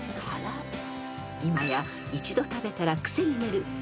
［今や一度食べたら癖になる］